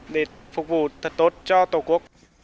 để phục vụ thật tốt cho tổ quốc